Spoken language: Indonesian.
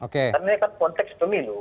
karena ini kan konteks pemilu